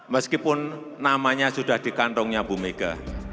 meskipun namanya sudah di kantongnya bu mega